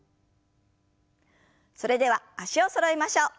それでは脚をそろえましょう。